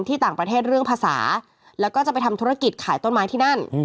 ต่างประเทศเรื่องภาษาแล้วก็จะไปทำธุรกิจขายต้นไม้ที่นั่น